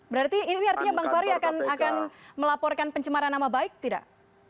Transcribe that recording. berarti ini artinya bang fahri akan melaporkan pencemaran nama baik tidak